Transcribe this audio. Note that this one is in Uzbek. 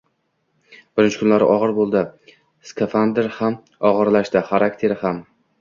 Birinchi kunlari og`ir bo`ldi, skafandr ham og`irlashdi, xarakteri ham